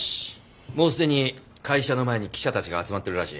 もう既に会社の前に記者たちが集まっているらしい。